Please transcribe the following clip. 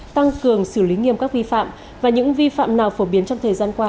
tăng cường xử lý nghiêm các vi phạm và những vi phạm nào phổ biến trong thời gian qua